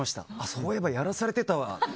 そういえばやらされてたわ。